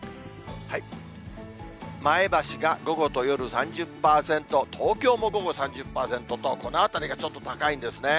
前橋が午後と夜３０％、東京も午後３０％と、このあたりがちょっと高いんですね。